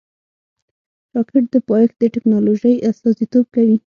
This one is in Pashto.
راکټ د پایښت د ټېکنالوژۍ استازیتوب کوي